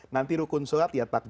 nanti rukun sholat ya